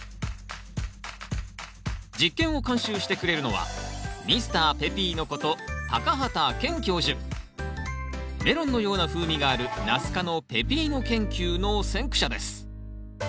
実験を監修してくれるのはメロンのような風味があるナス科のペピーノ研究の先駆者です